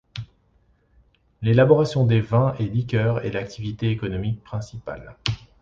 L’élaboration des vins et liqueurs est l’activité économique principale.